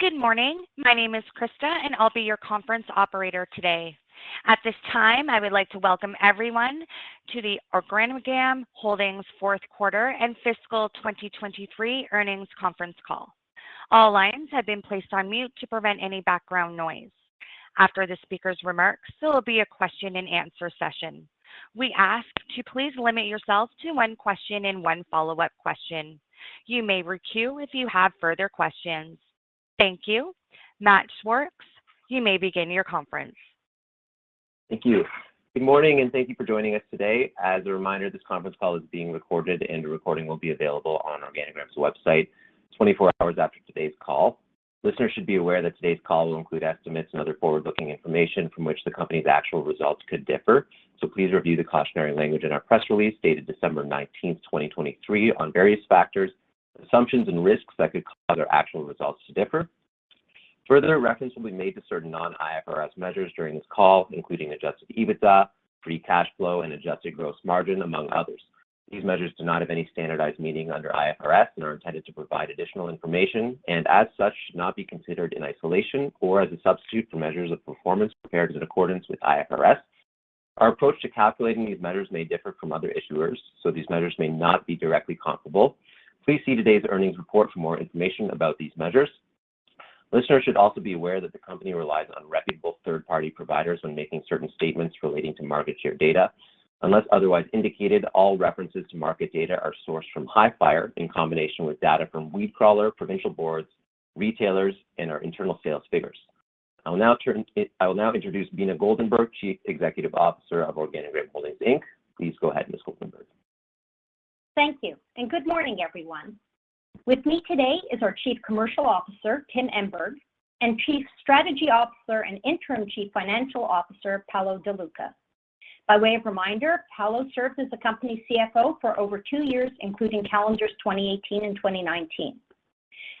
Good morning. My name is Krista, and I'll be your conference operator today. At this time, I would like to welcome everyone to the Organigram Holdings fourth quarter and fiscal 2023 earnings conference call. All lines have been placed on mute to prevent any background noise. After the speaker's remarks, there will be a question-and-answer session. We ask to please limit yourself to one question and one follow-up question. You may re-queue if you have further questions. Thank you. Max Schwartz, you may begin your conference. Thank you. Good morning, and thank you for joining us today. As a reminder, this conference call is being recorded, and the recording will be available on Organigram's website 24 hours after today's call. Listeners should be aware that today's call will include estimates and other forward-looking information from which the company's actual results could differ. So please review the cautionary language in our press release, dated December 19th, 2023, on various factors, assumptions and risks that could cause our actual results to differ. Further, reference will be made to certain non-IFRS measures during this call, including adjusted EBITDA, free cash flow, and adjusted gross margin, among others. These measures do not have any standardized meaning under IFRS and are intended to provide additional information, and as such, should not be considered in isolation or as a substitute for measures of performance prepared in accordance with IFRS. Our approach to calculating these measures may differ from other issuers, so these measures may not be directly comparable. Please see today's earnings report for more information about these measures. Listeners should also be aware that the company relies on reputable third-party providers when making certain statements relating to market share data. Unless otherwise indicated, all references to market data are sourced from Hifyre in combination with data from Weedcrawler, provincial boards, retailers, and our internal sales figures. I will now introduce Beena Goldenberg, Chief Executive Officer of Organigram Holdings Inc. Please go ahead, Ms. Goldenberg. Thank you, and good morning, everyone. With me today is our Chief Commercial Officer, Tim Emberg, and Chief Strategy Officer and Interim Chief Financial Officer, Paolo De Luca. By way of reminder, Paolo served as the company's CFO for over two years, including calendars 2018 and 2019.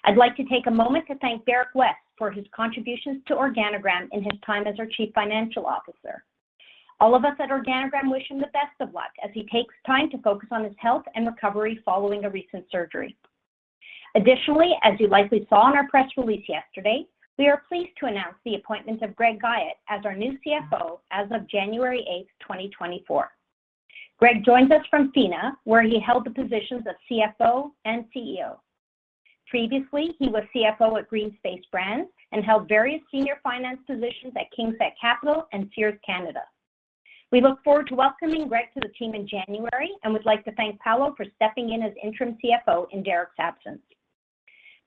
I'd like to take a moment to thank Derrick West for his contributions to Organigram in his time as our Chief Financial Officer. All of us at Organigram wish him the best of luck as he takes time to focus on his health and recovery following a recent surgery. Additionally, as you likely saw in our press release yesterday, we are pleased to announce the appointment of Greg Guyatt as our new CFO as of January 8, 2024. Greg joins us from Phoena, where he held the positions of CFO and CEO. Previously, he was CFO at GreenSpace Brands and held various senior finance positions at KingSett Capital and Sears Canada. We look forward to welcoming Greg to the team in January and would like to thank Paolo for stepping in as interim CFO in Derrick's absence.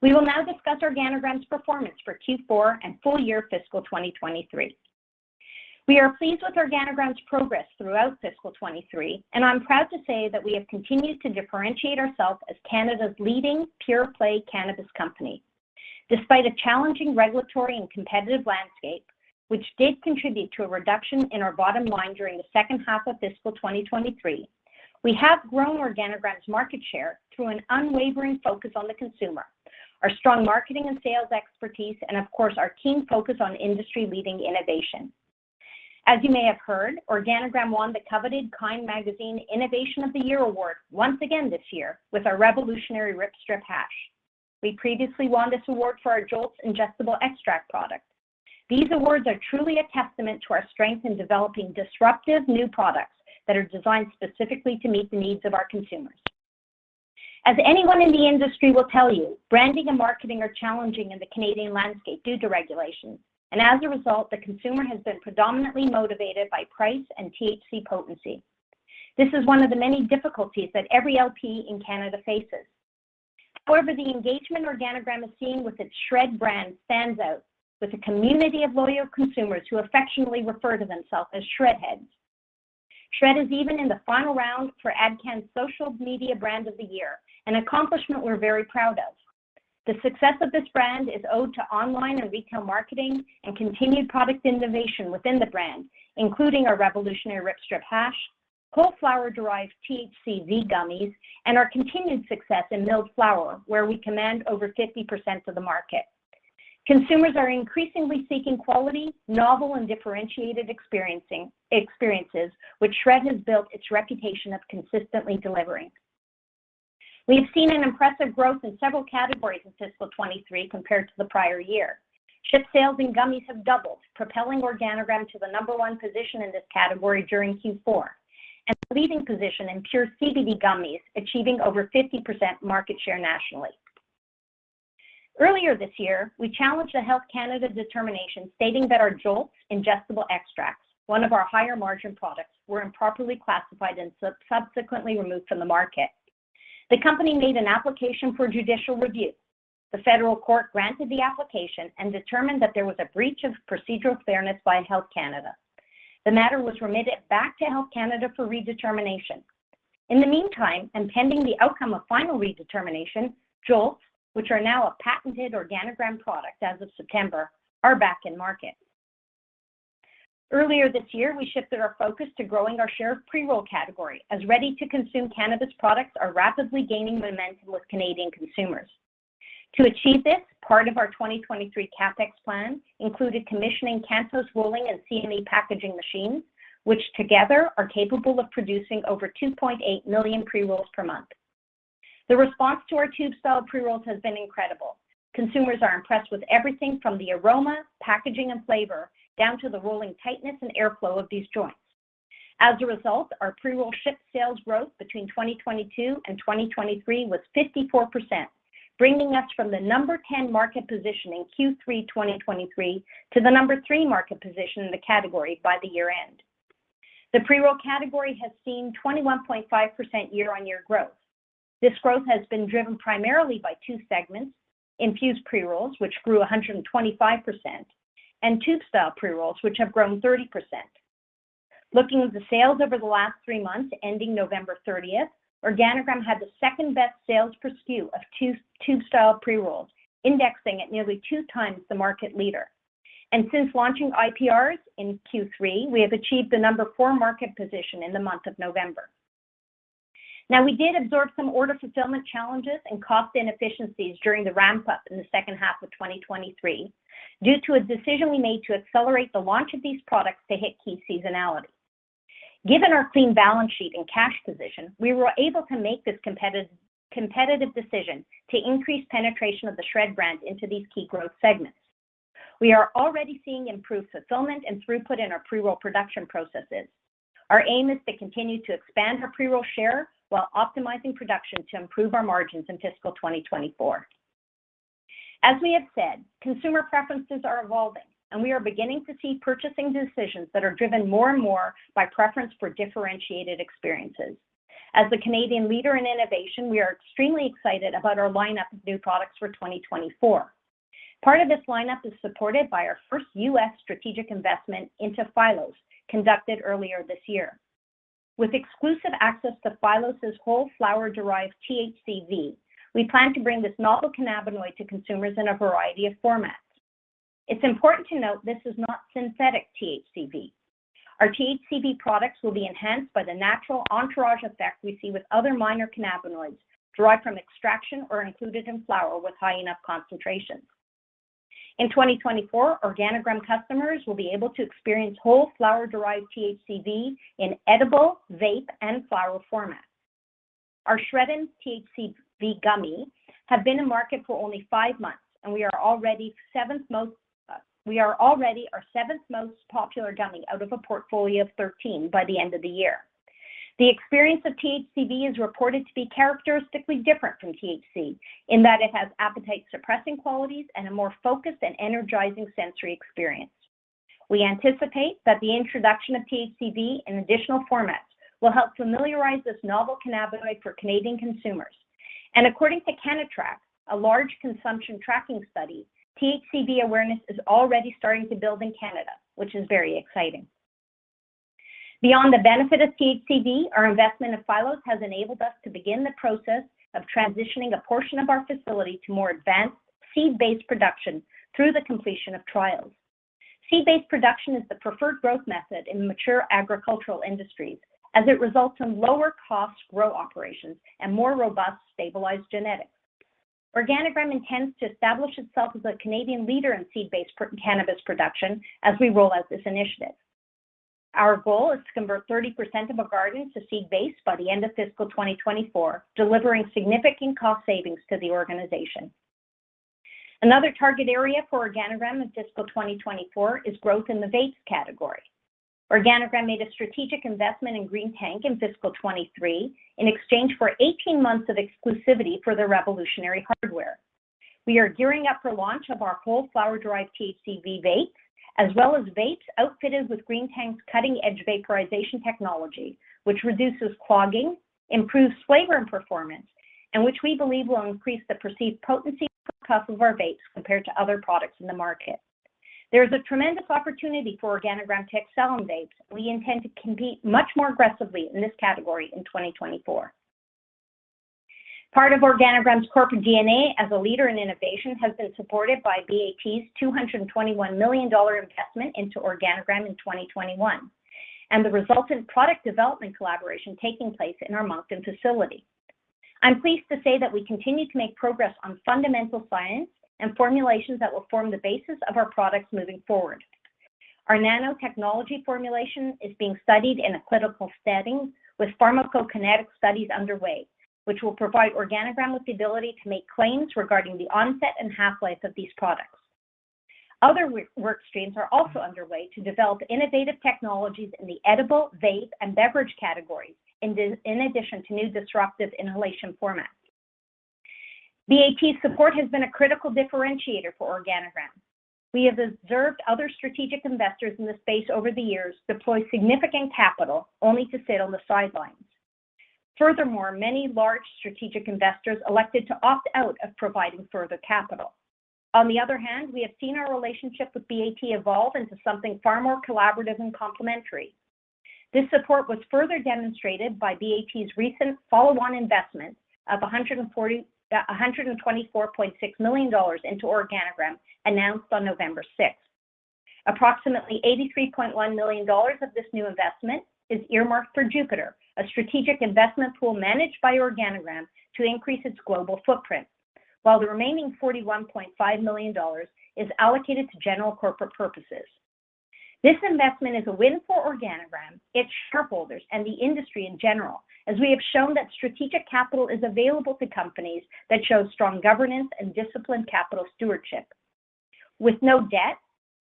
We will now discuss Organigram's performance for Q4 and full year fiscal 2023. We are pleased with Organigram's progress throughout fiscal 2023, and I'm proud to say that we have continued to differentiate ourselves as Canada's leading pure-play cannabis company. Despite a challenging regulatory and competitive landscape, which did contribute to a reduction in our bottom line during the second half of fiscal 2023, we have grown Organigram's market share through an unwavering focus on the consumer, our strong marketing and sales expertise, and of course, our keen focus on industry-leading innovation. As you may have heard, Organigram won the coveted KIND Magazine Innovation of the Year award once again this year with our revolutionary Rip Strip hash. We previously won this award for our JOLTS ingestible extract product. These awards are truly a testament to our strength in developing disruptive new products that are designed specifically to meet the needs of our consumers. As anyone in the industry will tell you, branding and marketing are challenging in the Canadian landscape due to regulations, and as a result, the consumer has been predominantly motivated by price and THC potency. This is one of the many difficulties that every LP in Canada faces. However, the engagement Organigram has seen with its SHRED brand stands out, with a community of loyal consumers who affectionately refer to themselves as SHRED Heads. SHRED is even in the final round for AdCan Social Media Brand of the Year, an accomplishment we're very proud of. The success of this brand is owed to online and retail marketing and continued product innovation within the brand, including our revolutionary Rip Strip hash, whole flower-derived THCV gummies, and our continued success in milled flower, where we command over 50% of the market. Consumers are increasingly seeking quality, novel, and differentiated experiences, which SHRED has built its reputation of consistently delivering. We've seen an impressive growth in several categories in fiscal 2023 compared to the prior year. Ship sales in gummies have doubled, propelling Organigram to the number one position in this category during Q4, and the leading position in pure CBD gummies, achieving over 50% market share nationally. Earlier this year, we challenged the Health Canada determination, stating that our JOLTS ingestible extracts, one of our higher-margin products, were improperly classified and subsequently removed from the market. The company made an application for judicial review. The Federal Court granted the application and determined that there was a breach of procedural fairness by Health Canada. The matter was remitted back to Health Canada for redetermination. In the meantime, and pending the outcome of final redetermination, JOLTS, which are now a patented Organigram product as of September, are back in market. Earlier this year, we shifted our focus to growing our share of pre-roll category, as ready-to-consume cannabis products are rapidly gaining momentum with Canadian consumers. To achieve this, part of our 2023 CapEx plan included commissionin Cantos rolling and CME packaging machines, which together are capable of producing over 2.8 million pre-rolls per month. The response to our tube-style pre-rolls has been incredible. Consumers are impressed with everything from the aroma, packaging, and flavor, down to the rolling tightness and airflow of these joints. As a result, our pre-roll ship sales growth between 2022 and 2023 was 54%, bringing us from the number 10 market position in Q3 2023 to the number 3 market position in the category by the year-end. The pre-roll category has seen 21.5% year-on-year growth. This growth has been driven primarily by two segments: infused pre-rolls, which grew 125%, and tube-style pre-rolls, which have grown 30%. Looking at the sales over the last three months, ending November 30th, Organigram had the second-best sales per SKU of tube-style pre-rolls, indexing at nearly two times the market leader. Since launching IPRs in Q3, we have achieved the number four market position in the month of November. Now, we did absorb some order fulfillment challenges and cost inefficiencies during the ramp-up in the second half of 2023 due to a decision we made to accelerate the launch of these products to hit key seasonality. Given our clean balance sheet and cash position, we were able to make this competitive, competitive decision to increase penetration of the SHRED brand into these key growth segments. We are already seeing improved fulfillment and throughput in our pre-roll production processes. Our aim is to continue to expand our pre-roll share while optimizing production to improve our margins in fiscal 2024. As we have said, consumer preferences are evolving, and we are beginning to see purchasing decisions that are driven more and more by preference for differentiated experiences. As the Canadian leader in innovation, we are extremely excited about our lineup of new products for 2024. Part of this lineup is supported by our first U.S. strategic investment into Phylos, conducted earlier this year. With exclusive access to Phylos' whole flower-derived THCV, we plan to bring this novel cannabinoid to consumers in a variety of formats. It's important to note this is not synthetic THCV. Our THCV products will be enhanced by the natural entourage effect we see with other minor cannabinoids derived from extraction or included in flower with high enough concentrations. In 2024, Organigram customers will be able to experience whole flower-derived THCV in edible, vape, and flower formats. Our SHRED'ems THCV gummy have been in market for only five months, and we are already seventh most... We are already our seventh most popular gummy out of a portfolio of 13 by the end of the year. The experience of THCV is reported to be characteristically different from THC, in that it has appetite-suppressing qualities and a more focused and energizing sensory experience. We anticipate that the introduction of THCV in additional formats will help familiarize this novel cannabinoid for Canadian consumers. According to Cannatrack, a large consumption tracking study, THCV awareness is already starting to build in Canada, which is very exciting. Beyond the benefit of THCV, our investment in Phylos has enabled us to begin the process of transitioning a portion of our facility to more advanced seed-based production through the completion of trials. Seed-based production is the preferred growth method in mature agricultural industries, as it results in lower cost grow operations and more robust, stabilized genetics. Organigram intends to establish itself as a Canadian leader in seed-based cannabis production as we roll out this initiative. Our goal is to convert 30% of a garden to seed-based by the end of fiscal 2024, delivering significant cost savings to the organization. Another target area for Organigram in fiscal 2024 is growth in the vapes category. Organigram made a strategic investment in Greentank in fiscal 2023 in exchange for 18 months of exclusivity for their revolutionary hardware. We are gearing up for launch of our whole flower-derived THCV vapes, as well as vapes outfitted with Greentank's cutting-edge vaporization technology, which reduces clogging, improves flavor and performance, and which we believe will increase the perceived potency of our vapes compared to other products in the market. There is a tremendous opportunity for Organigram to excel in vapes. We intend to compete much more aggressively in this category in 2024. Part of Organigram's corporate DNA as a leader in innovation has been supported by BAT's 221 million dollar investment into Organigram in 2021, and the resultant product development collaboration taking place in our Moncton facility. I'm pleased to say that we continue to make progress on fundamental science and formulations that will form the basis of our products moving forward. Our nanotechnology formulation is being studied in a clinical setting, with pharmacokinetic studies underway, which will provide Organigram with the ability to make claims regarding the onset and half-life of these products. Other work streams are also underway to develop innovative technologies in the edible, vape, and beverage categories, in addition to new disruptive inhalation formats. BAT's support has been a critical differentiator for Organigram. We have observed other strategic investors in the space over the years deploy significant capital, only to sit on the sidelines. Furthermore, many large strategic investors elected to opt out of providing further capital. On the other hand, we have seen our relationship with BAT evolve into something far more collaborative and complementary. This support was further demonstrated by BAT's recent follow-on investment of 140, 124.6 million into Organigram, announced on November 6. Approximately 83.1 million dollars of this new investment is earmarked for Jupiter, a strategic investment pool managed by Organigram to increase its global footprint, while the remaining 41.5 million dollars is allocated to general corporate purposes. This investment is a win for Organigram, its shareholders, and the industry in general, as we have shown that strategic capital is available to companies that show strong governance and disciplined capital stewardship. With no debt,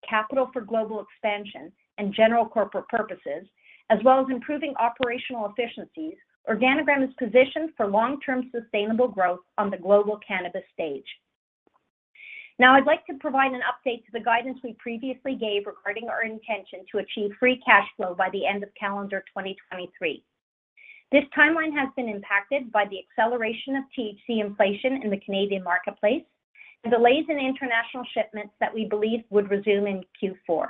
capital for global expansion, and general corporate purposes, as well as improving operational efficiencies, Organigram is positioned for long-term sustainable growth on the global cannabis stage. Now, I'd like to provide an update to the guidance we previously gave regarding our intention to achieve free cash flow by the end of calendar 2023. This timeline has been impacted by the acceleration of THC inflation in the Canadian marketplace and delays in international shipments that we believe would resume in Q4.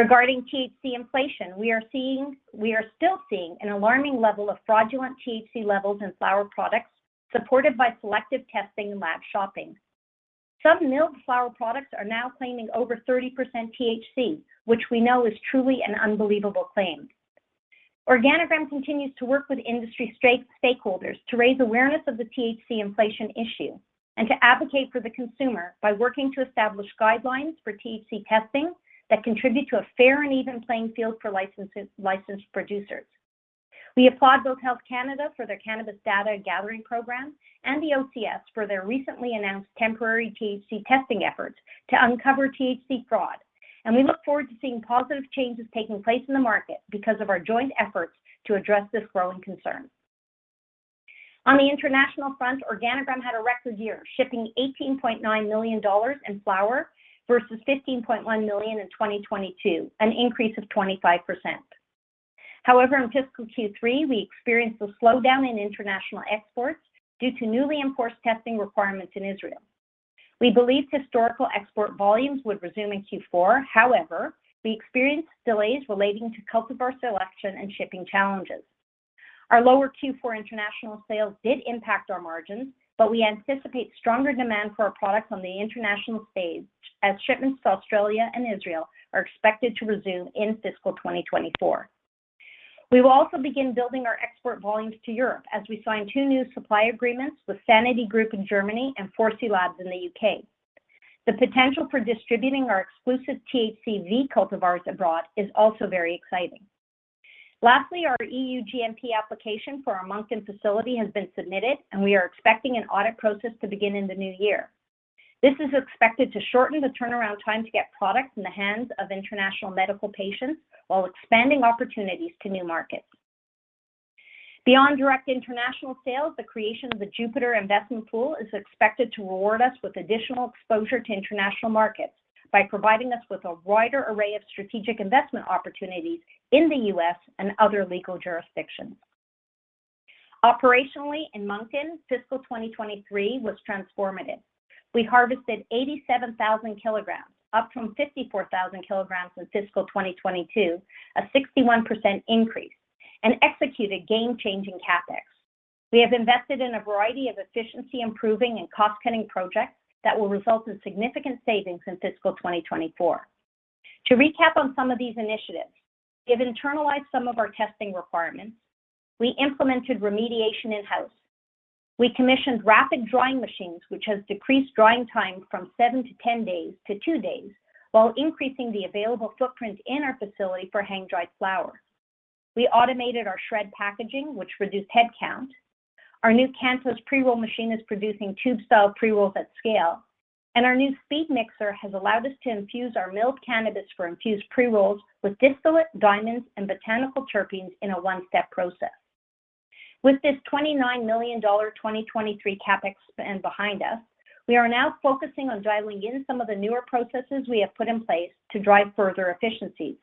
Regarding THC inflation, we are seeing, we are still seeing an alarming level of fraudulent THC levels in flower products, supported by selective testing and lab shopping. Some milled flower products are now claiming over 30% THC, which we know is truly an unbelievable claim. Organigram continues to work with industry stakeholders to raise awareness of the THC inflation issue and to advocate for the consumer by working to establish guidelines for THC testing that contribute to a fair and even playing field for licensed producers. We applaud both Health Canada for their cannabis data gathering program and the OCS for their recently announced temporary THC testing efforts to uncover THC fraud, and we look forward to seeing positive changes taking place in the market because of our joint efforts to address this growing concern. On the international front, Organigram had a record year, shipping 18.9 million dollars in flower versus 15.1 million in 2022, an increase of 25%. However, in fiscal Q3, we experienced a slowdown in international exports due to newly enforced testing requirements in Israel. We believed historical export volumes would resume in Q4. However, we experienced delays relating to cultivar selection and shipping challenges. Our lower Q4 international sales did impact our margins, but we anticipate stronger demand for our products on the international stage, as shipments to Australia and Israel are expected to resume in fiscal 2024. We will also begin building our export volumes to Europe as we sign two new supply agreements with Sanity Group in Germany and 4C in the UK. The potential for distributing our exclusive THCV cultivars abroad is also very exciting. Lastly, our EU GMP application for our Moncton facility has been submitted, and we are expecting an audit process to begin in the new year. This is expected to shorten the turnaround time to get products in the hands of international medical patients while expanding opportunities to new markets. Beyond direct international sales, the creation of the Jupiter Investment Pool is expected to reward us with additional exposure to international markets by providing us with a wider array of strategic investment opportunities in the U.S. and other legal jurisdictions. Operationally, in Moncton, fiscal 2023 was transformative. We harvested 87,000 kg, up from 54,000 kg in fiscal 2022, a 61% increase, and executed game-changing CapEx. We have invested in a variety of efficiency-improving and cost-cutting projects that will result in significant savings in fiscal 2024. To recap on some of these initiatives, we have internalized some of our testing requirements. We implemented remediation in-house. We commissioned rapid drying machines, which has decreased drying time from 7-10 days to 2 days, while increasing the available footprint in our facility for hang-dried flowers. We automated our SHRED packaging, which reduced headcount. Our new Cannahus pre-roll machine is producing tube-style pre-rolls at scale, and our new speed mixer has allowed us to infuse our milled cannabis for infused pre-rolls with distillate, diamonds, and botanical terpenes in a one-step process. With this 29 million dollar 2023 CapEx spend behind us, we are now focusing on dialing in some of the newer processes we have put in place to drive further efficiencies.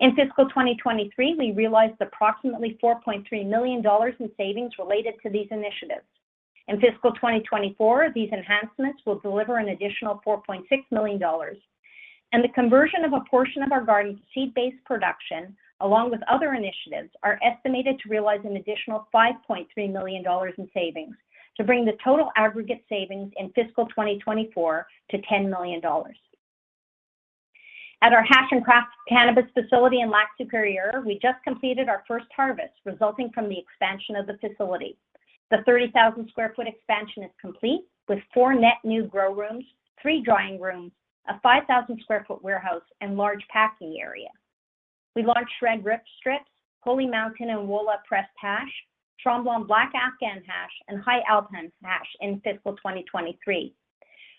In fiscal 2023, we realized approximately 4.3 million dollars in savings related to these initiatives. In fiscal 2024, these enhancements will deliver an additional 4.6 million dollars, and the conversion of a portion of our garden to seed-based production, along with other initiatives, are estimated to realize an additional 5.3 million dollars in savings to bring the total aggregate savings in fiscal 2024 to 10 million dollars. At our hash and craft cannabis facility in Lac-Supérieur, we just completed our first harvest, resulting from the expansion of the facility. The 30,000 sq ft expansion is complete, with 4 net new grow rooms, 3 drying rooms, a 5,000 sq ft warehouse, and large packing area. We launched Rip-Strip, Holy Mountain and Wola pressed hash, Tremblant Black Afghan hash, and High Alpine hash in fiscal 2023.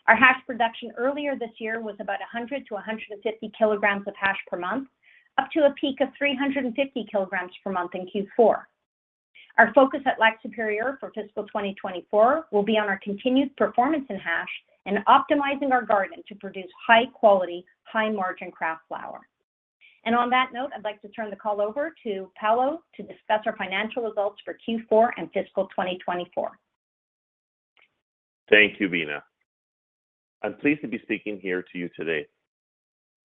Our hash production earlier this year was about 100-150 kg of hash per month, up to a peak of 350 kg per month in Q4. Our focus at Lac-Supérieur for fiscal 2024 will be on our continued performance in hash and optimizing our garden to produce high quality, high-margin craft flower. On that note, I'd like to turn the call over to Paolo to discuss our financial results for Q4 and fiscal 2024. Thank you, Beena. I'm pleased to be speaking here to you today.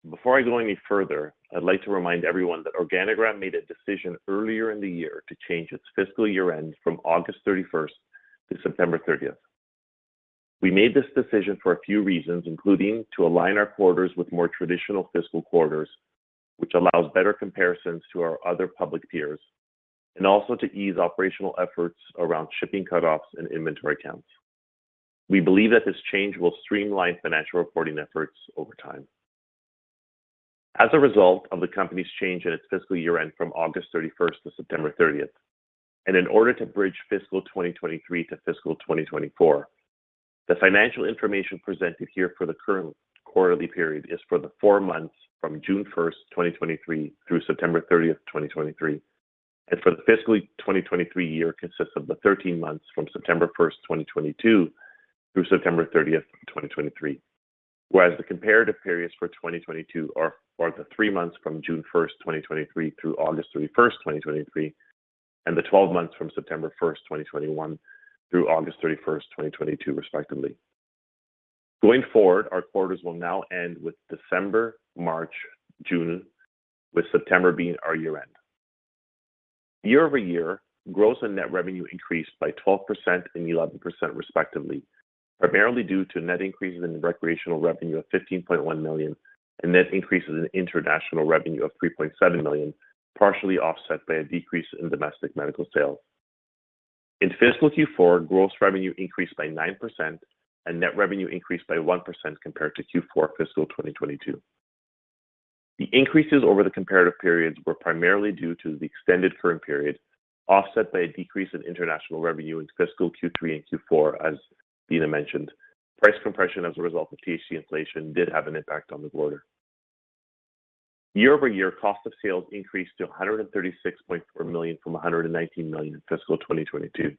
Before I go any further, I'd like to remind everyone that Organigram made a decision earlier in the year to change its fiscal year-end from August 31st to September 30th. We made this decision for a few reasons, including to align our quarters with more traditional fiscal quarters, which allows better comparisons to our other public peers, and also to ease operational efforts around shipping cutoffs and inventory counts... We believe that this change will streamline financial reporting efforts over time. As a result of the company's change in its fiscal year-end from August 31 to September 30, and in order to bridge fiscal 2023 to fiscal 2024, the financial information presented here for the current quarterly period is for the four months from June 1, 2023, through September 30, 2023, and for the fiscal 2023 year consists of the 13 months from September 1, 2022, through September 30, 2023. Whereas the comparative periods for 2022 are the three months from June 1, 2023, through August 31, 2023, and the 12 months from September 1, 2021, through August 31, 2022, respectively. Going forward, our quarters will now end with December, March, June, with September being our year-end. Year-over-year, gross and net revenue increased by 12% and 11%, respectively, primarily due to net increases in recreational revenue of 15.1 million and net increases in international revenue of 3.7 million, partially offset by a decrease in domestic medical sales. In fiscal Q4, gross revenue increased by 9% and net revenue increased by 1% compared to Q4 fiscal 2022. The increases over the comparative periods were primarily due to the extended current period, offset by a decrease in international revenue in fiscal Q3 and Q4 as Bina mentioned. Price compression as a result of THC inflation did have an impact on the quarter. Year-over-year, cost of sales increased to 136.4 million from 119 million in fiscal 2022.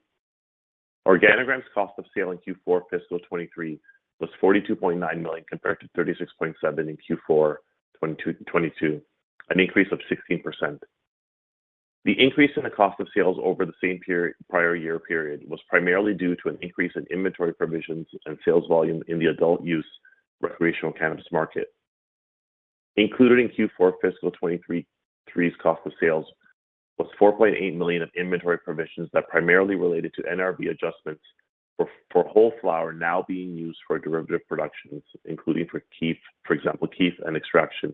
Organigram's cost of sales in Q4 fiscal 2023 was 42.9 million compared to 36.7 million in Q4 2022, an increase of 16%. The increase in the cost of sales over the same period, prior year period was primarily due to an increase in inventory provisions and sales volume in the adult use recreational cannabis market. Included in Q4 fiscal 2023's cost of sales was 4.8 million of inventory provisions that primarily related to NRV adjustments for whole flower now being used for derivative productions, including for kief, for example, kief and extraction,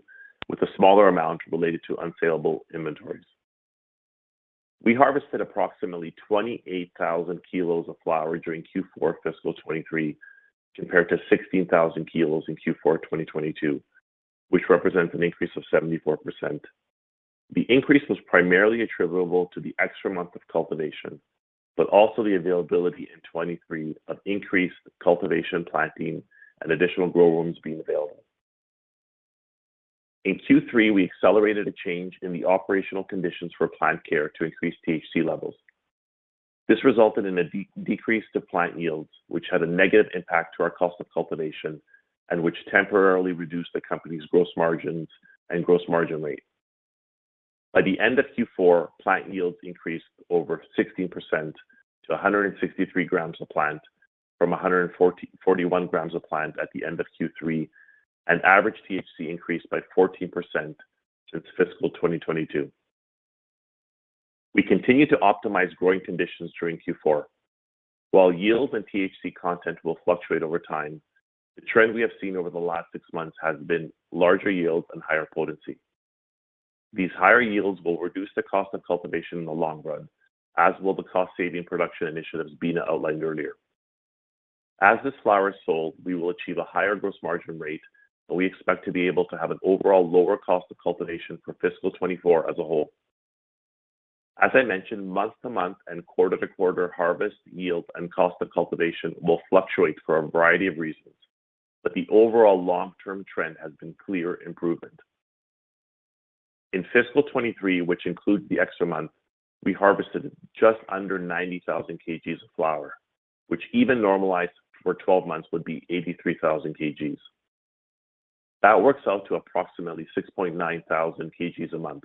with a smaller amount related to unsaleable inventories. We harvested approximately 28,000 kilos of flower during Q4 fiscal 2023, compared to 16,000 kilos in Q4 2022, which represents an increase of 74%. The increase was primarily attributable to the extra month of cultivation, but also the availability in 2023 of increased cultivation, planting, and additional grow rooms being available. In Q3, we accelerated a change in the operational conditions for plant care to increase THC levels. This resulted in a decrease to plant yields, which had a negative impact to our cost of cultivation and which temporarily reduced the company's gross margins and gross margin rate. By the end of Q4, plant yields increased over 16% to 163g a plant, from 141g a plant at the end of Q3, and average THC increased by 14% since fiscal 2022. We continued to optimize growing conditions during Q4. While yields and THC content will fluctuate over time, the trend we have seen over the last six months has been larger yields and higher potency. These higher yields will reduce the cost of cultivation in the long run, as will the cost-saving production initiatives Beena outlined earlier. As this flower is sold, we will achieve a higher gross margin rate, and we expect to be able to have an overall lower cost of cultivation for fiscal 2024 as a whole. As I mentioned, month-to-month and quarter-to-quarter harvest, yields, and cost of cultivation will fluctuate for a variety of reasons, but the overall long-term trend has been clear improvement. In fiscal 2023, which includes the extra month, we harvested just under 90,000 kgs of flower, which even normalized for 12 months, would be 83,000 kgs. That works out to approximately 6,900 kgs a month.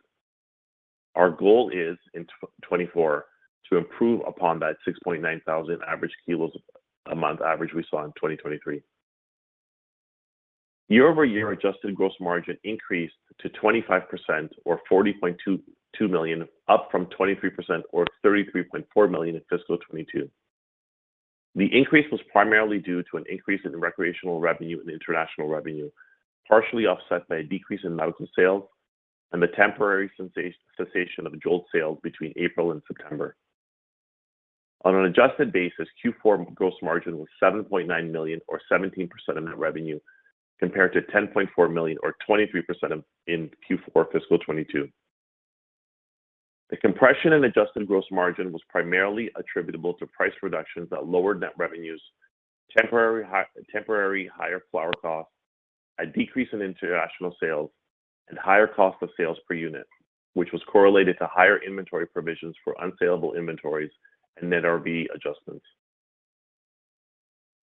Our goal is in 2024, to improve upon that 6,900 average kilos a month average we saw in 2023. Year-over-year, adjusted gross margin increased to 25% or 42.2 million, up from 23% or 33.4 million in fiscal 2022. The increase was primarily due to an increase in recreational revenue and international revenue, partially offset by a decrease in medical sales and the temporary cessation of Jolt sales between April and September. On an adjusted basis, Q4 gross margin was 7.9 million or 17% of net revenue, compared to 10.4 million or 23% of in Q4 fiscal 2022. The compression in adjusted gross margin was primarily attributable to price reductions that lowered net revenues, temporary higher flower costs, a decrease in international sales, and higher cost of sales per unit, which was correlated to higher inventory provisions for unsaleable inventories and NRV adjustments.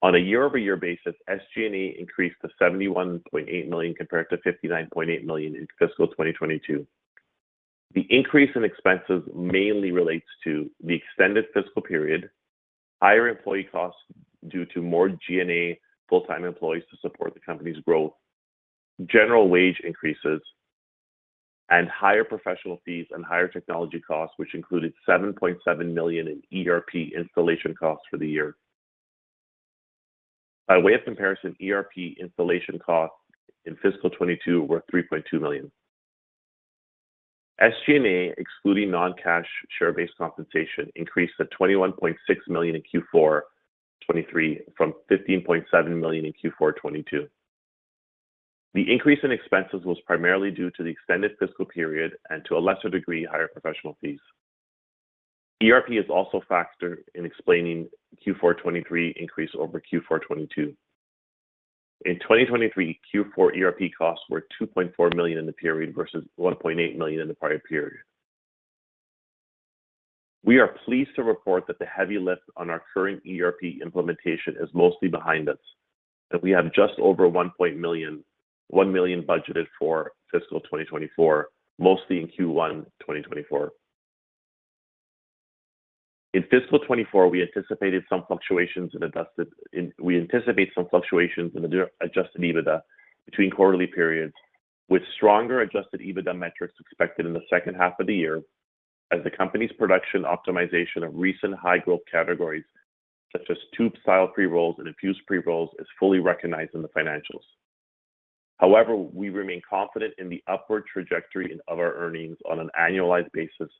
On a year-over-year basis, SG&A increased to 71.8 million compared to 59.8 million in fiscal 2022. The increase in expenses mainly relates to the extended fiscal period, higher employee costs due to more G&A full-time employees to support the company's growth, general wage increases, and higher professional fees and higher technology costs, which included 7.7 million in ERP installation costs for the year. By way of comparison, ERP installation costs in fiscal 2022 were CAD 3.2 million.... SG&A, excluding non-cash share-based compensation, increased to 21.6 million in Q4 2023, from 15.7 million in Q4 2022. The increase in expenses was primarily due to the extended fiscal period and, to a lesser degree, higher professional fees. ERP is also a factor in explaining Q4 2023 increase over Q4 2022. In 2023, Q4 ERP costs were 2.4 million in the period, versus 1.8 million in the prior period. We are pleased to report that the heavy lift on our current ERP implementation is mostly behind us, and we have just over 1.1 million - 1 million budgeted for fiscal 2024, mostly in Q1 2024. In fiscal 2024, we anticipated some fluctuations in adjusted... We anticipate some fluctuations in Adjusted EBITDA between quarterly periods, with stronger Adjusted EBITDA metrics expected in the second half of the year as the company's production optimization of recent high-growth categories, such as tube-style pre-rolls and infused pre-rolls, is fully recognized in the financials. However, we remain confident in the upward trajectory of our earnings on an annualized basis,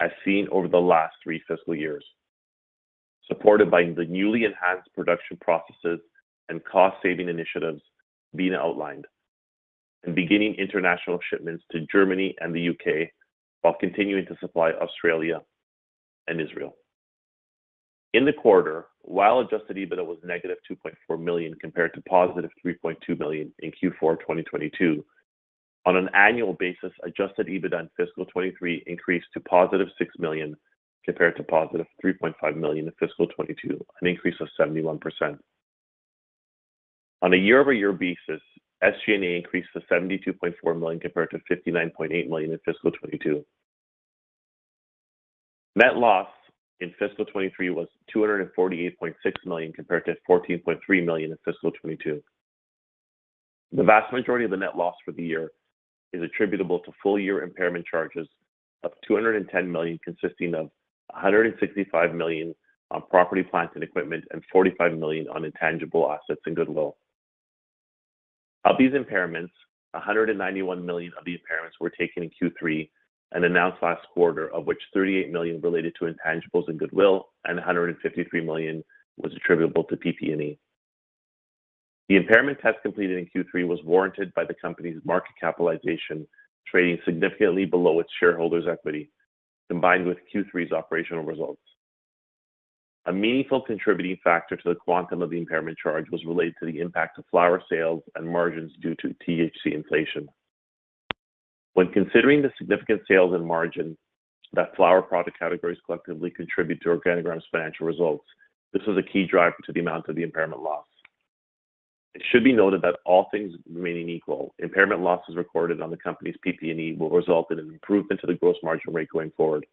as seen over the last three fiscal years, supported by the newly enhanced production processes and cost-saving initiatives being outlined and beginning international shipments to Germany and the UK, while continuing to supply Australia and Israel. In the quarter, while Adjusted EBITDA was negative 2.4 million, compared to positive 3.2 million in Q4 2022, on an annual basis, Adjusted EBITDA in fiscal 2023 increased to positive 6 million, compared to positive 3.5 million in fiscal 2022, an increase of 71%. On a year-over-year basis, SG&A increased to 72.4 million, compared to 59.8 million in fiscal 2022. Net loss in fiscal 2023 was 248.6 million, compared to 14.3 million in fiscal 2022. The vast majority of the net loss for the year is attributable to full-year impairment charges of 210 million, consisting of 165 million on property, plant, and equipment, and 45 million on intangible assets and goodwill. Of these impairments, 191 million of the impairments were taken in Q3 and announced last quarter, of which 38 million related to intangibles and goodwill, and 153 million was attributable to PP&E. The impairment test completed in Q3 was warranted by the company's market capitalization, trading significantly below its shareholders' equity, combined with Q3's operational results. A meaningful contributing factor to the quantum of the impairment charge was related to the impact of flower sales and margins due to THC inflation. When considering the significant sales and margin that flower product categories collectively contribute to Organigram's financial results, this is a key driver to the amount of the impairment loss. It should be noted that all things remaining equal, impairment losses recorded on the company's PP&E will result in an improvement to the gross margin rate going forward.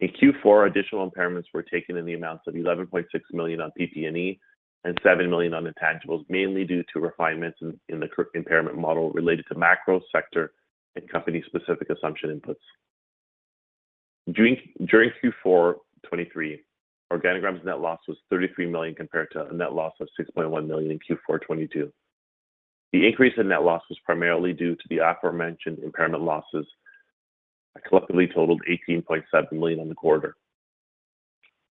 In Q4, additional impairments were taken in the amounts of 11.6 million on PP&E and 7 million on intangibles, mainly due to refinements in the impairment model related to macro, sector, and company-specific assumption inputs. During Q4 2023, Organigram's net loss was 33 million, compared to a net loss of 6.1 million in Q4 2022. The increase in net loss was primarily due to the aforementioned impairment losses that collectively totaled 18.7 million in the quarter,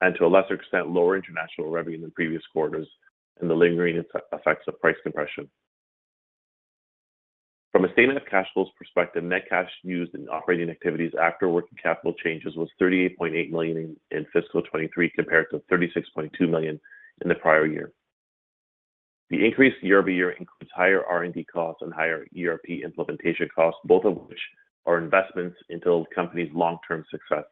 and to a lesser extent, lower international revenue than previous quarters and the lingering effects of price compression. From a statement of cash flows perspective, net cash used in operating activities after working capital changes was 38.8 million in fiscal 2023, compared to 36.2 million in the prior year. The increase year-over-year includes higher R&D costs and higher ERP implementation costs, both of which are investments into the company's long-term success.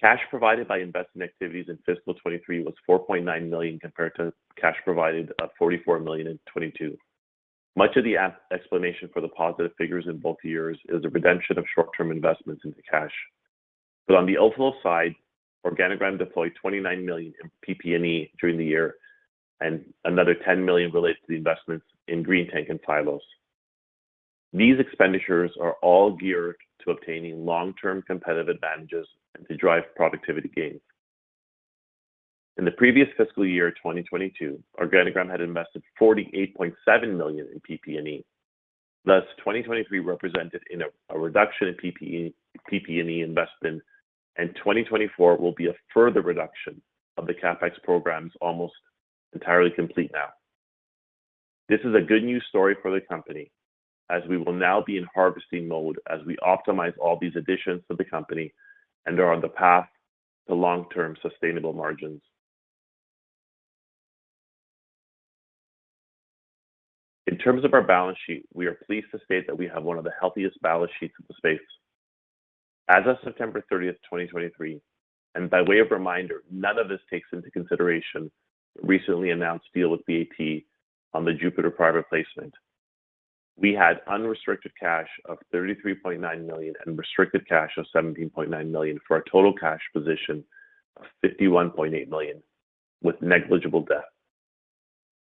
Cash provided by investing activities in fiscal 2023 was 4.9 million, compared to cash provided of 44 million in 2022. Much of the explanation for the positive figures in both years is a redemption of short-term investments into cash. But on the outflow side, Organigram deployed 29 million in PP&E during the year, and another 10 million relates to the investments in Greentank and Phylos. These expenditures are all geared to obtaining long-term competitive advantages and to drive productivity gains. In the previous fiscal year, 2022, Organigram had invested 48.7 million in PP&E. Thus, 2023 represented a reduction in PP&E investment, and 2024 will be a further reduction of the CapEx programs, almost entirely complete now. This is a good news story for the company, as we will now be in harvesting mode as we optimize all these additions to the company and are on the path to long-term sustainable margins. In terms of our balance sheet, we are pleased to state that we have one of the healthiest balance sheets in the space. As of September 30, 2023, and by way of reminder, none of this takes into consideration the recently announced deal with BAT on the Jupiter private placement. We had unrestricted cash of 33.9 million and restricted cash of 17.9 million, for a total cash position of 51.8 million, with negligible debt.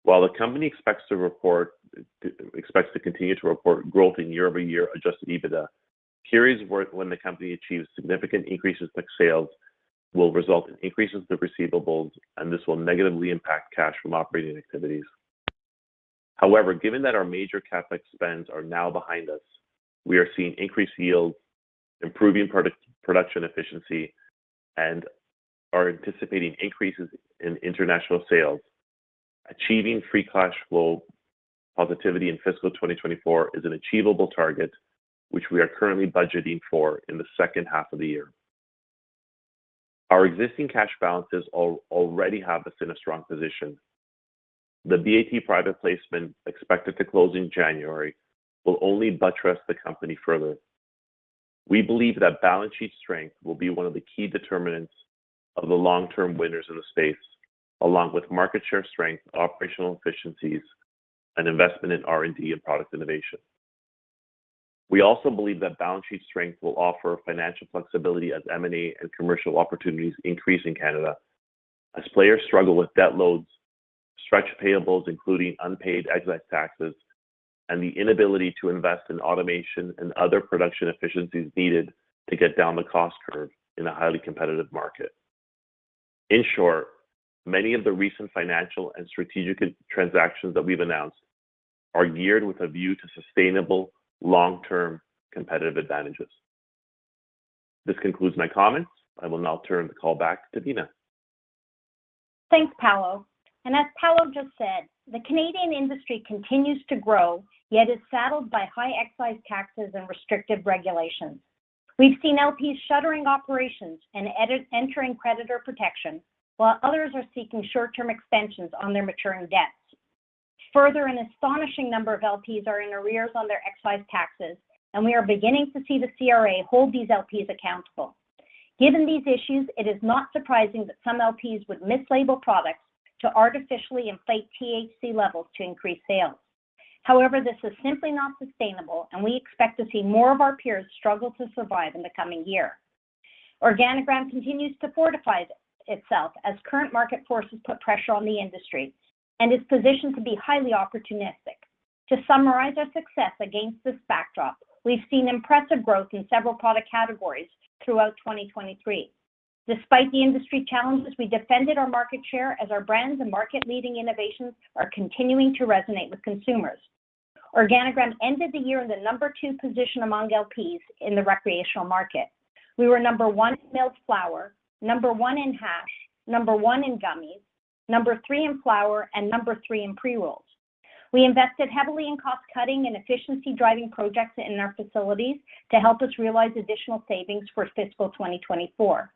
While the company expects to continue to report growth in year-over-year adjusted EBITDA, periods of work when the company achieves significant increases in sales will result in increases in the receivables, and this will negatively impact cash from operating activities. However, given that our major CapEx spends are now behind us, we are seeing increased yields, improving product production efficiency, and are anticipating increases in international sales. Achieving free cash flow positivity in fiscal 2024 is an achievable target, which we are currently budgeting for in the second half of the year. Our existing cash balances already have us in a strong position. The BAT private placement, expected to close in January, will only buttress the company further. We believe that balance sheet strength will be one of the key determinants of the long-term winners in the space, along with market share strength, operational efficiencies, and investment in R&D and product innovation. We also believe that balance sheet strength will offer financial flexibility as M&A and commercial opportunities increase in Canada, as players struggle with debt loads, stretch payables, including unpaid excise taxes, and the inability to invest in automation and other production efficiencies needed to get down the cost curve in a highly competitive market. In short, many of the recent financial and strategic transactions that we've announced are geared with a view to sustainable, long-term competitive advantages. This concludes my comments. I will now turn the call back to Beena. Thanks, Paolo. And as Paolo just said, the Canadian industry continues to grow, yet is saddled by high excise taxes and restrictive regulations. We've seen LPs shuttering operations and entering creditor protection, while others are seeking short-term extensions on their maturing debts. Further, an astonishing number of LPs are in arrears on their excise taxes, and we are beginning to see the CRA hold these LPs accountable. Given these issues, it is not surprising that some LPs would mislabel products to artificially inflate THC levels to increase sales. However, this is simply not sustainable, and we expect to see more of our peers struggle to survive in the coming year. Organigram continues to fortify itself as current market forces put pressure on the industry and is positioned to be highly opportunistic. To summarize our success against this backdrop, we've seen impressive growth in several product categories throughout 2023. Despite the industry challenges, we defended our market share as our brands and market-leading innovations are continuing to resonate with consumers. Organigram ended the year in the number two position among LPs in the recreational market. We were number 1 in milled flower, number 1 in hash, number 1 in gummies, number three in flower, and number three in pre-rolls. We invested heavily in cost-cutting and efficiency-driving projects in our facilities to help us realize additional savings for fiscal 2024.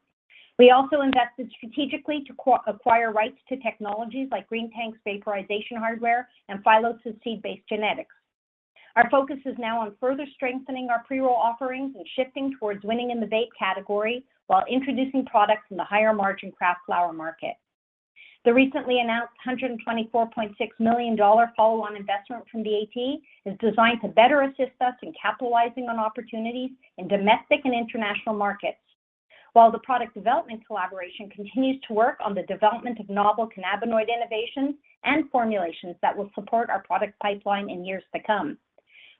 We also invested strategically to co-acquire rights to technologies like Greentank's vaporization hardware and Phylos' seed-based genetics. Our focus is now on further strengthening our pre-roll offerings and shifting towards winning in the vape category while introducing products in the higher-margin craft flower market. The recently announced 124.6 million dollar follow-on investment from BAT is designed to better assist us in capitalizing on opportunities in domestic and international markets. While the product development collaboration continues to work on the development of novel cannabinoid innovations and formulations that will support our product pipeline in years to come,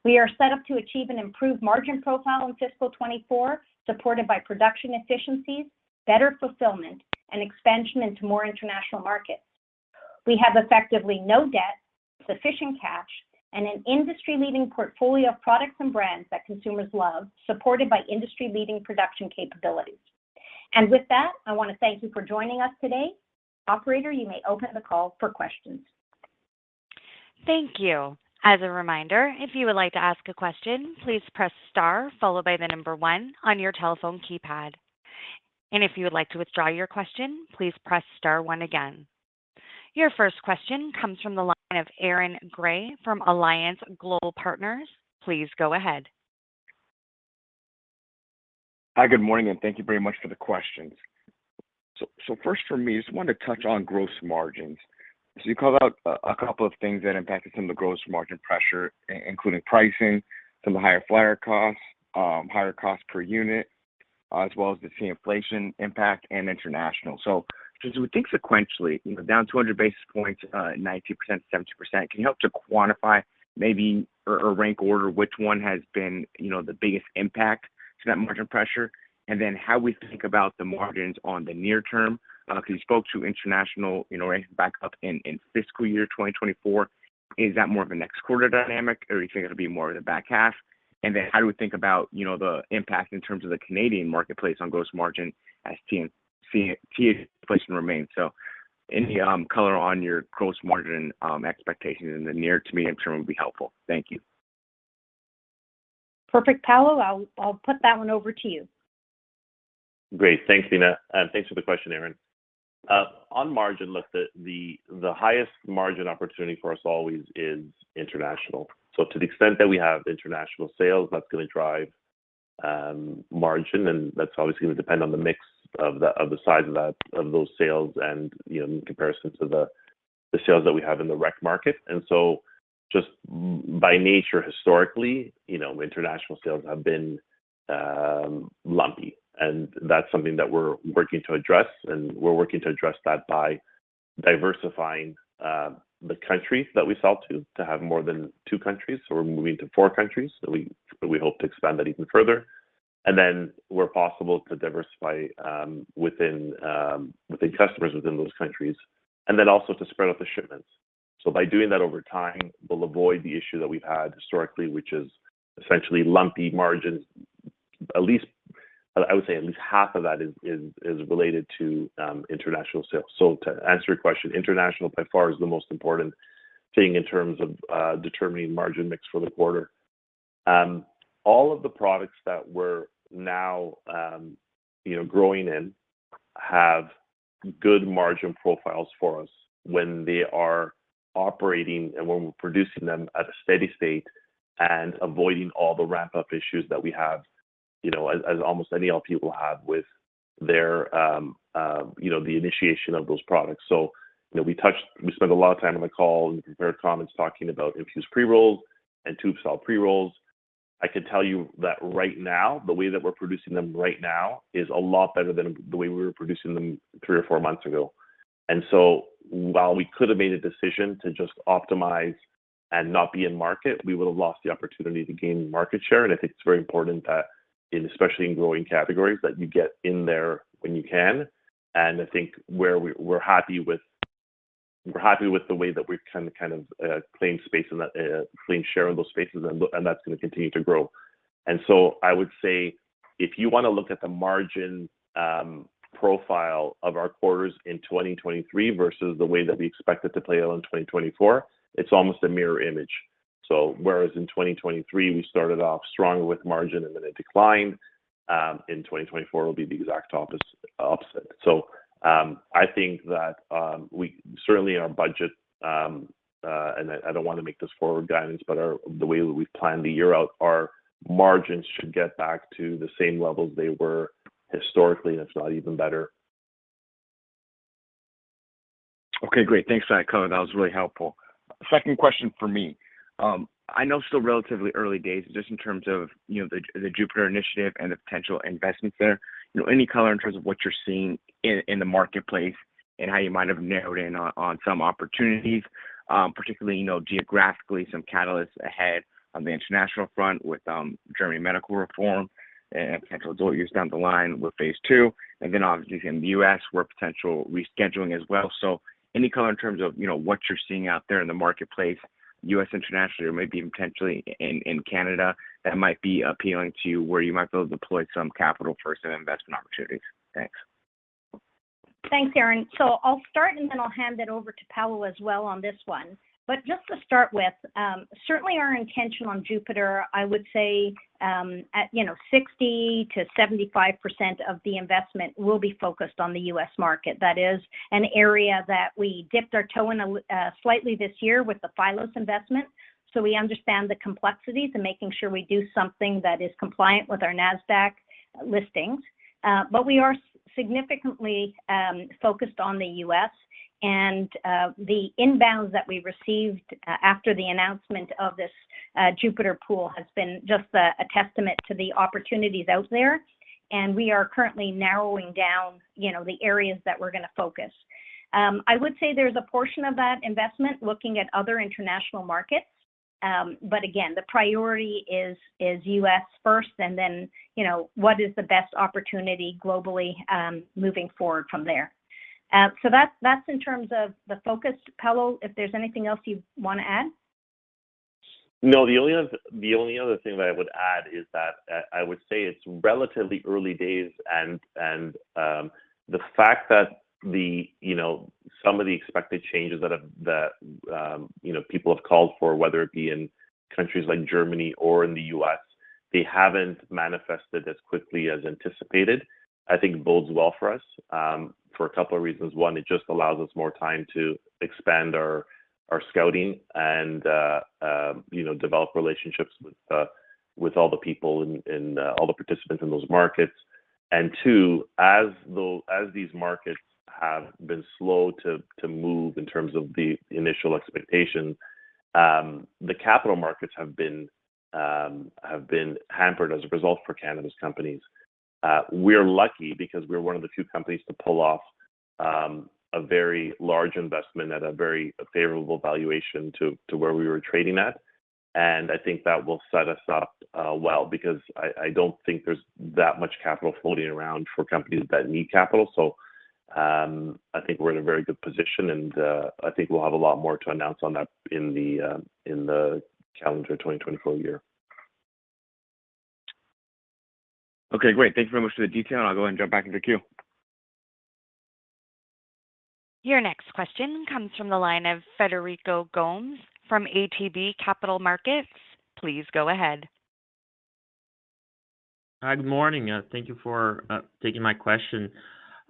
we are set up to achieve an improved margin profile in fiscal 2024, supported by production efficiencies, better fulfillment, and expansion into more international markets. We have effectively no debt, sufficient cash, and an industry-leading portfolio of products and brands that consumers love, supported by industry-leading production capabilities. And with that, I want to thank you for joining us today. Operator, you may open the call for questions. Thank you. As a reminder, if you would like to ask a question, please press star followed by the number one on your telephone keypad. If you would like to withdraw your question, please press star one again. Your first question comes from the line of Aaron Gray from Alliance Global Partners. Please go ahead. Hi, good morning, and thank you very much for the questions. So first for me, just wanted to touch on gross margins. So you called out a couple of things that impacted some of the gross margin pressure, including pricing, some of the higher flower costs, higher cost per unit, as well as the same inflation impact and international. So just think sequentially, you know, down 200 basis points, 90%, 70%. Can you help to quantify maybe or rank order which one has been, you know, the biggest impact to that margin pressure? And then how we think about the margins on the near term, because you spoke to international, you know, ramp back up in fiscal year 2024. Is that more of a next quarter dynamic, or you think it'll be more of the back half? Then how do we think about, you know, the impact in terms of the Canadian marketplace on gross margin as inflation remains? So any color on your gross margin expectations in the near to medium term would be helpful. Thank you. Perfect. Paolo, I'll put that one over to you. Great. Thanks, Beena, and thanks for the question, Aaron. On margin, look, the highest margin opportunity for us always is international. So to the extent that we have international sales, that's going to drive margin, and that's obviously going to depend on the mix of the size of those sales and, you know, in comparison to the sales that we have in the rec market. And so just by nature, historically, you know, international sales have been lumpy, and that's something that we're working to address, and we're working to address that by diversifying the countries that we sell to, to have more than two countries. So we're moving to four countries, and we hope to expand that even further. And then where possible, to diversify within within customers within those countries, and then also to spread out the shipments. So by doing that over time, we'll avoid the issue that we've had historically, which is essentially lumpy margins. At least, I would say at least half of that is related to international sales. So to answer your question, international by far is the most important thing in terms of determining margin mix for the quarter. All of the products that we're now you know growing in have good margin profiles for us when they are operating and when we're producing them at a steady state and avoiding all the wrap-up issues that we have, you know, as almost all people have with their you know the initiation of those products. So, you know, we touched—we spent a lot of time on the call and prepared comments talking about infused pre-rolls and tube-style pre-rolls. I could tell you that right now, the way that we're producing them right now is a lot better than the way we were producing them three or four months ago. And so while we could have made a decision to just optimize and not be in market, we would have lost the opportunity to gain market share. And I think it's very important that, and especially in growing categories, that you get in there when you can. And I think where we're happy with, we're happy with the way that we've kind of, kind of, claimed space in that, claimed share of those spaces, and, and that's going to continue to grow. And so I would say if you want to look at the margin profile of our quarters in 2023 versus the way that we expect it to play out in 2024, it's almost a mirror image. So whereas in 2023, we started off strong with margin and then it declined, in 2024 will be the exact opposite. So, I think that we certainly in our budget, and I don't want to make this forward guidance, but the way that we've planned the year out, our margins should get back to the same levels they were historically, if not even better. Okay, great. Thanks for that, Paolo. That was really helpful. Second question for me. I know it's still relatively early days, just in terms of, you know, the Jupiter initiative and the potential investments there. You know, any color in terms of what you're seeing in the marketplace and how you might have narrowed in on some opportunities, particularly, you know, geographically, some catalysts ahead on the international front with Germany medical reform and potential doors down the line with phase two, and then obviously in the US, with potential rescheduling as well. So any color in terms of, you know, what you're seeing out there in the marketplace, US, internationally, or maybe potentially in Canada, that might be appealing to you, where you might be able to deploy some capital-first investment opportunities? Thanks. Thanks, Aaron. So I'll start, and then I'll hand it over to Paolo as well on this one. But just to start with, certainly our intention on Jupiter, I would say, at, you know, 60%-75% of the investment will be focused on the U.S. market. That is an area that we dipped our toe in slightly this year with the Phylos investment, so we understand the complexities and making sure we do something that is compliant with our Nasdaq listings. But we are significantly focused on the U.S., and the inbounds that we received after the announcement of this Jupiter pool has been just a testament to the opportunities out there, and we are currently narrowing down, you know, the areas that we're going to focus. I would say there's a portion of that investment looking at other international markets, but again, the priority is, is U.S. first and then, you know, what is the best opportunity globally, moving forward from there. So that's, that's in terms of the focus. Paolo, if there's anything else you want to add? No, the only other, the only other thing that I would add is that, I would say it's relatively early days, and, and, the fact that the, you know, some of the expected changes that have, that, you know, people have called for, whether it be in countries like Germany or in the U.S., they haven't manifested as quickly as anticipated. I think bodes well for us, for a couple of reasons. One, it just allows us more time to expand our, our scouting and, you know, develop relationships with, with all the people and, and, all the participants in those markets. And two, as the- as these markets have been slow to, to move in terms of the initial expectation, the capital markets have been, have been hampered as a result for cannabis companies. We're lucky because we're one of the few companies to pull off a very large investment at a very favorable valuation to where we were trading at. And I think that will set us up well, because I don't think there's that much capital floating around for companies that need capital. I think we're in a very good position, and I think we'll have a lot more to announce on that in the calendar 2024 year. Okay, great. Thank you very much for the detail, and I'll go and jump back in the queue. Your next question comes from the line of Federico Gomes from ATB Capital Markets. Please go ahead. Hi, good morning, thank you for taking my question.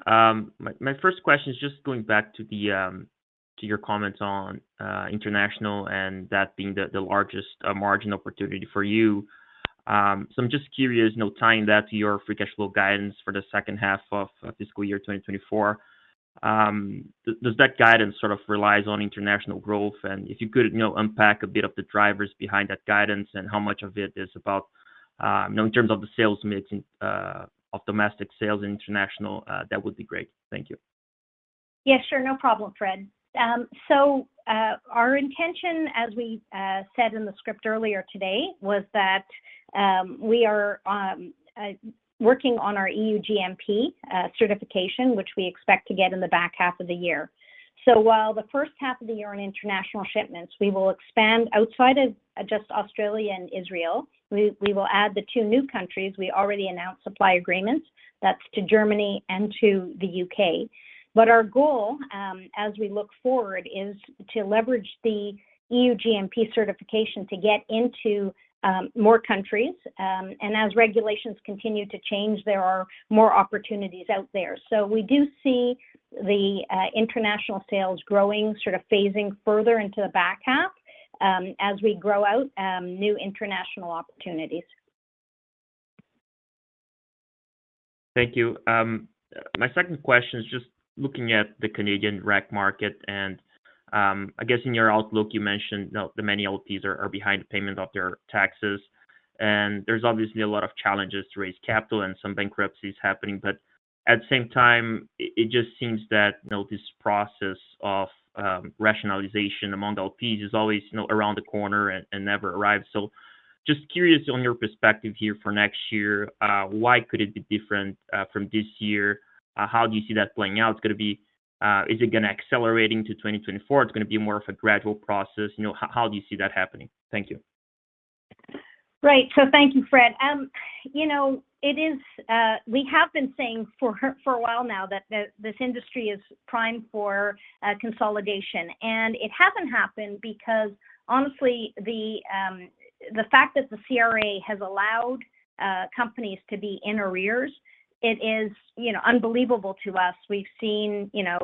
My first question is just going back to your comments on international and that being the largest margin opportunity for you. So I'm just curious, you know, tying that to your free cash flow guidance for the second half of fiscal year 2024. Does that guidance sort of relies on international growth? And if you could, you know, unpack a bit of the drivers behind that guidance and how much of it is about, you know, in terms of the sales mix, and of domestic sales international, that would be great. Thank you. Yeah, sure. No problem, Fred. So, our intention, as we said in the script earlier today, was that we are working on our EU GMP certification, which we expect to get in the back half of the year. So while the first half of the year on international shipments, we will expand outside of just Australia and Israel. We will add the two new countries we already announced supply agreements. That's to Germany and to the U.K. But our goal, as we look forward, is to leverage the EU GMP certification to get into more countries. And as regulations continue to change, there are more opportunities out there. So we do see the international sales growing, sort of phasing further into the back half, as we grow out new international opportunities. Thank you. My second question is just looking at the Canadian rec market, and, I guess in your outlook, you mentioned, you know, the many LPs are behind payment of their taxes, and there's obviously a lot of challenges to raise capital and some bankruptcies happening. But at the same time, it just seems that, you know, this process of rationalization among LPs is always, you know, around the corner and never arrives. So just curious on your perspective here for next year, why could it be different from this year? How do you see that playing out? It's gonna be, is it gonna accelerate into 2024, it's gonna be more of a gradual process? You know, how do you see that happening? Thank you. Right. So thank you, Fred. You know, we have been saying for a while now that this industry is primed for consolidation. And it hasn't happened because, honestly, the fact that the CRA has allowed companies to be in arrears, it is, you know, unbelievable to us. We've seen, you know,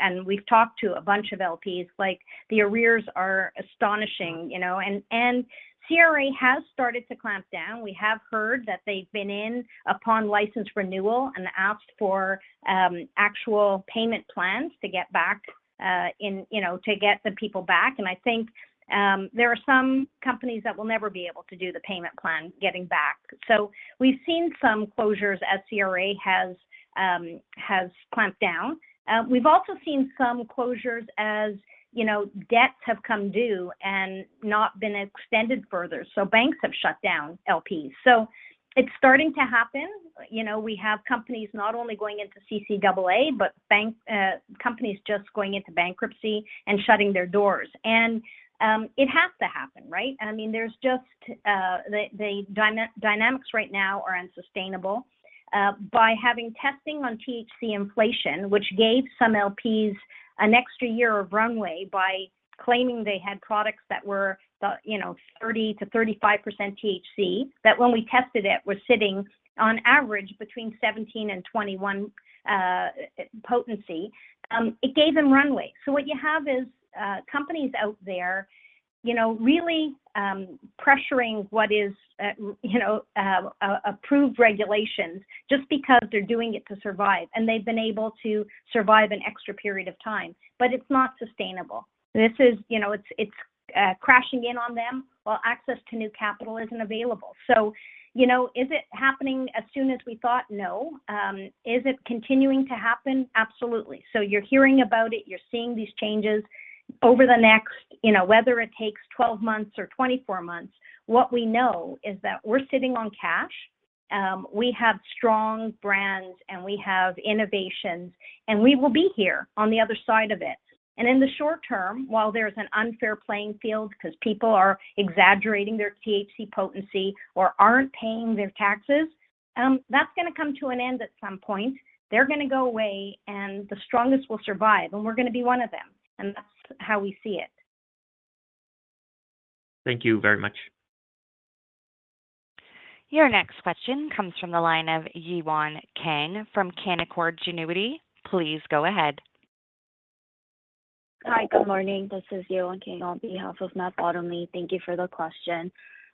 and we've talked to a bunch of LPs, like, the arrears are astonishing, you know, and CRA has started to clamp down. We have heard that they've been in upon license renewal and asked for actual payment plans to get back, in, you know, to get the people back. And I think there are some companies that will never be able to do the payment plan getting back. So we've seen some closures as CRA has clamped down. We've also seen some closures as, you know, debts have come due and not been extended further. So banks have shut down LPs. So it's starting to happen. You know, we have companies not only going into CCAA, but companies just going into bankruptcy and shutting their doors. And, it has to happen, right? I mean, there's just the dynamics right now are unsustainable. By having testing on THC inflation, which gave some LPs an extra year of runway by claiming they had products that were, you know, 30%-35% THC, that when we tested it, were sitting on average between 17%-21% potency. It gave them runway. So what you have is, companies out there, you know, really, pressuring what is, you know, approved regulations just because they're doing it to survive, and they've been able to survive an extra period of time. But it's not sustainable. This is, you know, it's, it's, crashing in on them, while access to new capital isn't available. So, you know, is it happening as soon as we thought? No. Is it continuing to happen? Absolutely. So you're hearing about it, you're seeing these changes over the next, you know, whether it takes 12 months or 24 months. What we know is that we're sitting on cash, we have strong brands, and we have innovations, and we will be here on the other side of it. In the short term, while there's an unfair playing field, because people are exaggerating their THC potency or aren't paying their taxes, that's gonna come to an end at some point. They're gonna go away, and the strongest will survive, and we're gonna be one of them, and that's how we see it. Thank you very much. Your next question comes from the line of Yewon Kang from Canaccord Genuity. Please go ahead. Hi, good morning. This is Yewon Kang on behalf of Matt Bottomley. Thank you for the question.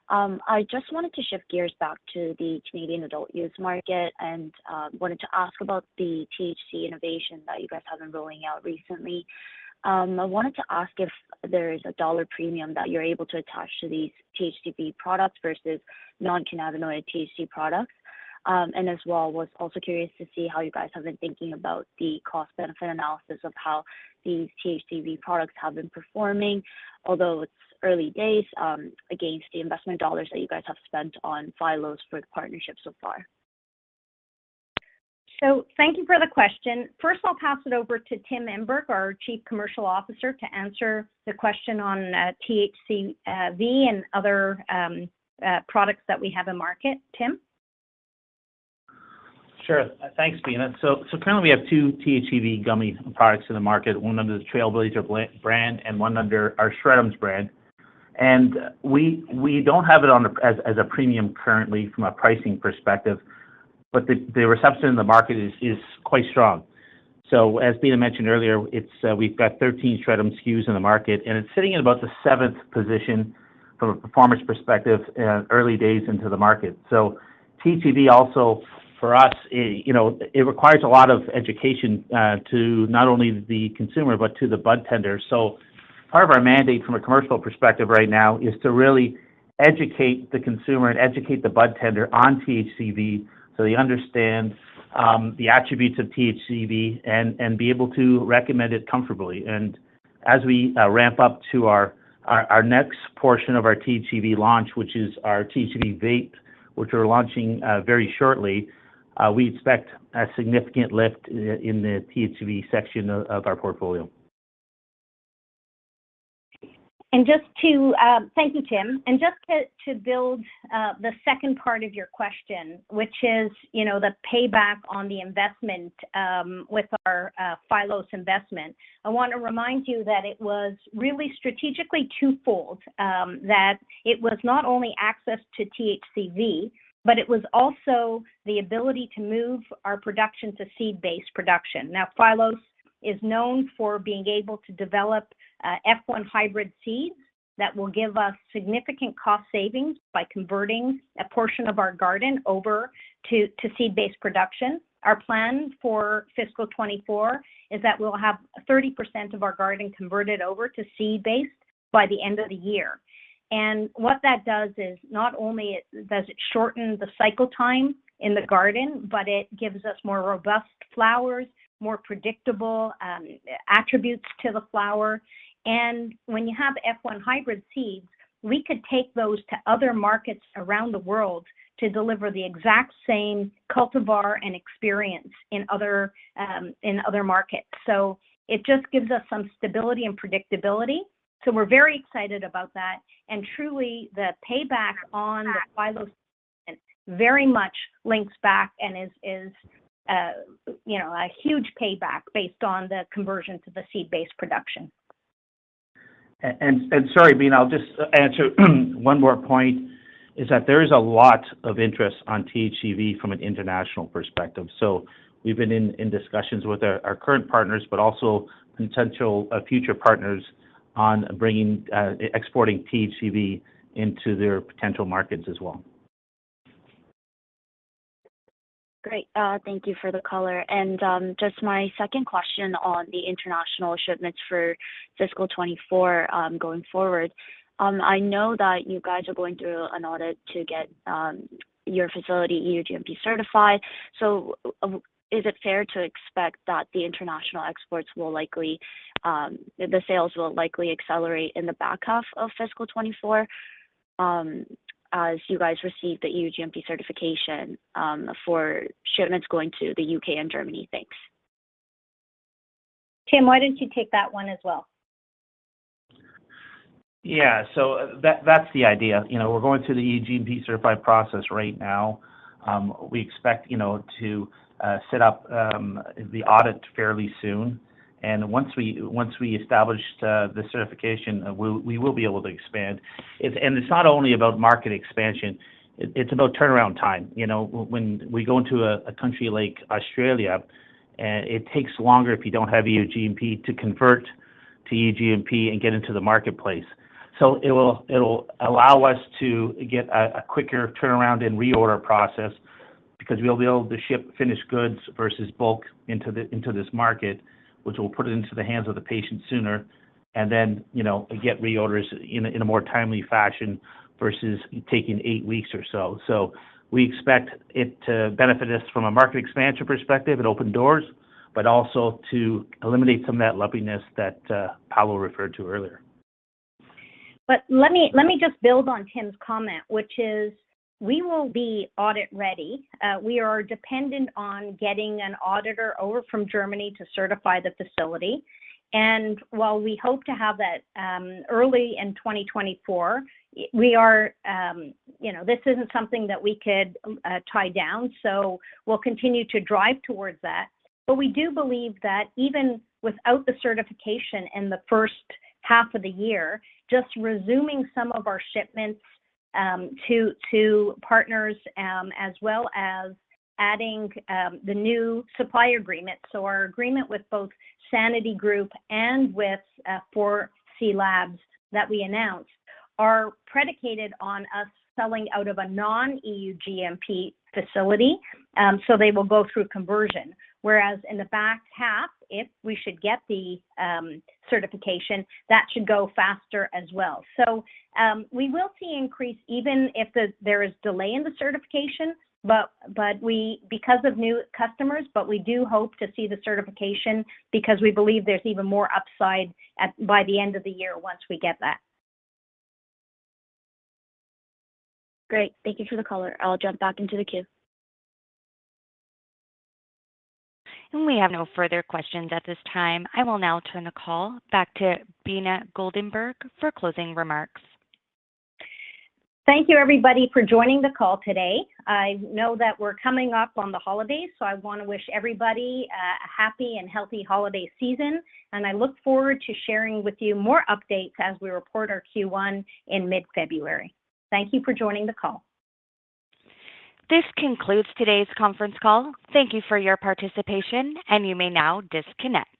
I just wanted to shift gears back to the Canadian adult use market, and wanted to ask about the THC innovation that you guys have been rolling out recently. I wanted to ask if there is a dollar premium that you're able to attach to these THCV products versus non-cannabinoid THC products. And as well, was also curious to see how you guys have been thinking about the cost-benefit analysis of how these THCV products have been performing, although it's early days, against the investment dollars that you guys have spent on Phylos-led partnerships so far. So thank you for the question. First, I'll pass it over to Tim Emberg, our Chief Commercial Officer, to answer the question on THCV and other products that we have in market. Tim? Sure. Thanks, Beena. So currently, we have two THCV gummy products in the market, one under the Trailblazer brand and one under our SHRED'ems brand. And we don't have it on the as a premium currently from a pricing perspective, but the reception in the market is quite strong. So as Beena mentioned earlier, it's we've got 13 SHRED'ems SKUs in the market, and it's sitting in about the seventh position from a performance perspective in early days into the market. THCV also for us, you know, it requires a lot of education to not only the consumer, but to the budtender. So part of our mandate from a commercial perspective right now is to really educate the consumer and educate the budtender on THCV, so they understand the attributes of THCV and be able to recommend it comfortably. And as we ramp up to our next portion of our THCV launch, which is our THCV vape, which we're launching very shortly, we expect a significant lift in the THCV section of our portfolio. And just to thank you, Tim. And just to build the second part of your question, which is, you know, the payback on the investment with our Phylos investment. I want to remind you that it was really strategically twofold, that it was not only access to THCV, but it was also the ability to move our production to seed-based production. Now, Phylos is known for being able to develop F1 hybrid seeds that will give us significant cost savings by converting a portion of our garden over to seed-based production. Our plan for fiscal 2024 is that we'll have 30% of our garden converted over to seed-based by the end of the year. What that does is not only does it shorten the cycle time in the garden, but it gives us more robust flowers, more predictable attributes to the flower. When you have F1 hybrid seeds, we could take those to other markets around the world to deliver the exact same cultivar and experience in other markets. So it just gives us some stability and predictability, so we're very excited about that. Truly, the payback on the Phylos very much links back and is, you know, a huge payback based on the conversion to the seed-based production. Sorry, Beena, I'll just answer one more point, is that there is a lot of interest on THCV from an international perspective. So we've been in discussions with our current partners, but also potential future partners on bringing, exporting THCV into their potential markets as well. Great. Thank you for the color. And, just my second question on the international shipments for fiscal 2024, going forward. I know that you guys are going through an audit to get your facility EU GMP certified. So, is it fair to expect that the international exports will likely, the sales will likely accelerate in the back half of fiscal 2024, as you guys receive the EU GMP certification, for shipments going to the U.K. and Germany? Thanks. Tim, why don't you take that one as well? Yeah. So that, that's the idea. You know, we're going through the EU GMP certified process right now. We expect, you know, to set up the audit fairly soon. And once we establish the certification, we will be able to expand. It's and it's not only about market expansion, it's about turnaround time. You know, when we go into a country like Australia, it takes longer if you don't have EU GMP to convert to EU GMP and get into the marketplace. It'll allow us to get a quicker turnaround and reorder process, because we'll be able to ship finished goods versus bulk into this market, which will put it into the hands of the patient sooner, and then, you know, get reorders in a more timely fashion, versus taking eight weeks or so. So we expect it to benefit us from a market expansion perspective and open doors, but also to eliminate some of that lumpiness that Paolo referred to earlier. But let me just build on Tim's comment, which is, we will be audit ready. We are dependent on getting an auditor over from Germany to certify the facility. And while we hope to have that early in 2024, you know, this isn't something that we could tie down, so we'll continue to drive towards that. But we do believe that even without the certification in the first half of the year, just resuming some of our shipments to partners as well as adding the new supply agreement. So our agreement with both Sanity Group and with 4C Labs that we announced, are predicated on us selling out of a non-EU GMP facility. So they will go through conversion, whereas in the back half, if we should get the certification, that should go faster as well. So, we will see increase even if there is delay in the certification, but because of new customers, but we do hope to see the certification because we believe there's even more upside by the end of the year once we get that. Great. Thank you for the color. I'll jump back into the queue. We have no further questions at this time. I will now turn the call back to Beena Goldenberg for closing remarks. Thank you, everybody, for joining the call today. I know that we're coming up on the holidays, so I want to wish everybody a happy and healthy holiday season, and I look forward to sharing with you more updates as we report our Q1 in mid-February. Thank you for joining the call. This concludes today's conference call. Thank you for your participation, and you may now disconnect.